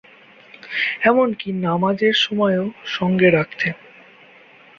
এমনকি নামাযের সময়ও সঙ্গে রাখতেন।